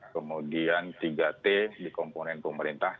kemudian tiga t di komponen pemerintah